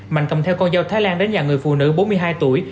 mạnh cầm theo con dao thái lan đến nhà người phụ nữ bốn mươi hai tuổi